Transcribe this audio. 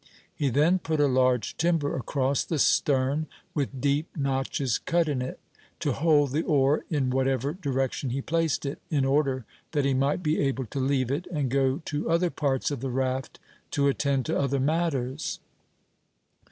He then put a large timber across the stern, with deep notches cut in it, to hold the oar in whatever direction he placed it, in order that he might be able to leave it, and go to other parts of the raft to attend to other matters.